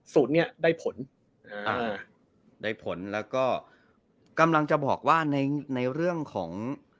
สูตรเนี้ยได้ผลอ่าได้ผลแล้วก็กำลังจะบอกว่าในในเรื่องของ